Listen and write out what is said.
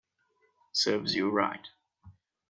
Serves you right